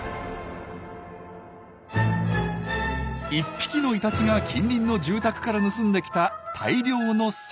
１匹のイタチが近隣の住宅から盗んできた大量のサンダル。